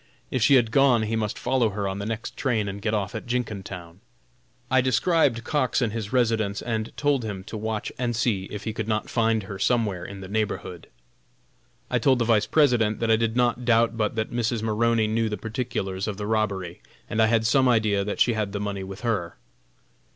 If she had gone he must follow her on the next train and get off at Jenkintown. I described Cox and his residence and told him to watch and see if he could not find her somewhere in the neighborhood. I told the Vice President that I did not doubt but that Mrs. Maroney knew the particulars of the robbery, and I had some idea that she had the money with her.